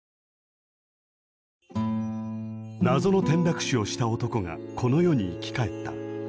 謎の転落死をした男がこの世に生き返った。